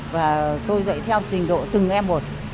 và tôi dạy theo trình độ từng em một